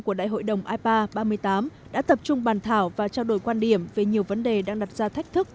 của đại hội đồng ipa ba mươi tám đã tập trung bàn thảo và trao đổi quan điểm về nhiều vấn đề đang đặt ra thách thức